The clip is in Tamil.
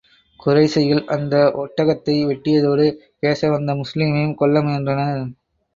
குறைஷிகள் அந்த ஒட்டகத்தை வெட்டியதோடு, பேச வந்த முஸ்லிமையும் கொல்ல முயன்றனர்.